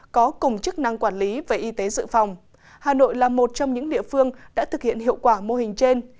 có cùng chức năng quản lý về y tế dự phòng hà nội là một trong những địa phương đã thực hiện hiệu quả mô hình trên